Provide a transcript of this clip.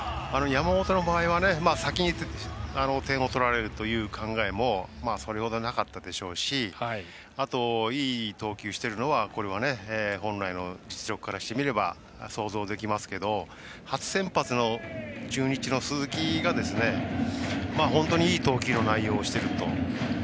山本の場合は先に点を取られるという考えもそれほどなかったでしょうしあと、いい投球しているのはこれは本来の実力からしてみれば想像できますけど初先発の中日の鈴木が本当にいい投球の内容をしていると。